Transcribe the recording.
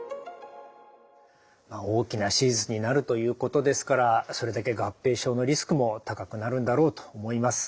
大きな手術になるということですからそれだけ合併症のリスクも高くなるんだろうと思います。